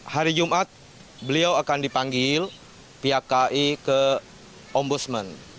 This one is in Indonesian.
hari jumat beliau akan dipanggil pihak kai ke ombudsman